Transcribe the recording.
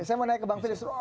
saya mau tanya ke bang firdaus